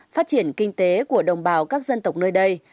phát triển kinh tế của đồng bào các dân tộc nơi đây